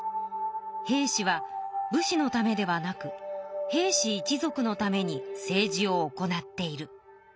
「平氏は武士のためではなく平氏一族のために政治を行っている」。